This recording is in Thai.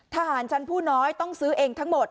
ทหารชั้นผู้น้อยต้องซื้อเองทั้งหมด